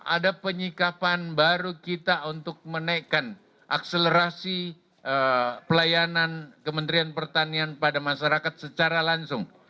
ada penyikapan baru kita untuk menaikkan akselerasi pelayanan kementerian pertanian pada masyarakat secara langsung